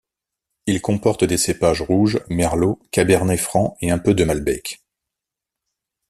Il comporte des cépages rouges, merlot, cabernet franc et un peu de malbec.